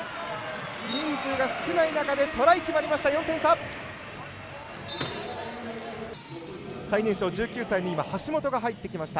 人数が少ない中でトライ、決まりました。